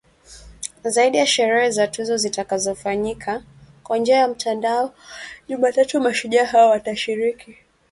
Zaidi ya sherehe za tuzo zitakazo fanyika kwa njia ya mtandao Jumatatu mashujaa hao watashiriki